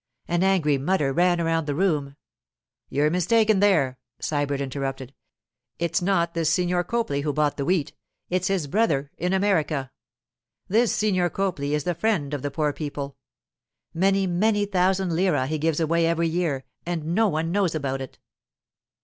An angry mutter ran around the room. 'You're mistaken there,' Sybert interrupted. 'It's not this Signor Copli who bought the wheat; it's his brother in America. This Signor Copli is the friend of the poor people. Many, many thousand lire he gives away every year, and no one knows about it.